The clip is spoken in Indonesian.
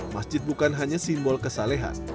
masjid bukan hanya simbol kesalahan